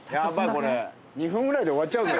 これ２分ぐらいで終わっちゃうぞ。